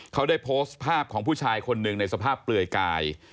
เขาได้โพสต์ภาพของผู้ชายคนหนึ่งในสภาพเปลือยกาย